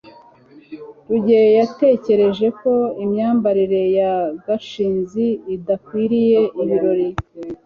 rugeyo yatekereje ko imyambarire ya gashinzi idakwiriye ibirori